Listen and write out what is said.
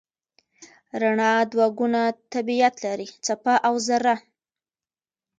رڼا دوه ګونه طبیعت لري: څپه او ذره.